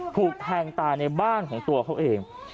ถูกแทงตายในบ้านของตัวเขาเอง